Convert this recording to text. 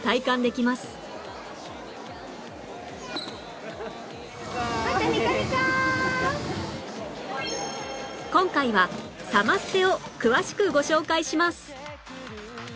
今回はサマステを詳しくご紹介します